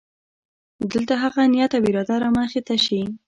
دلته هغه نیت او اراده رامخې ته شي.